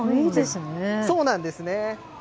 そうなんですね。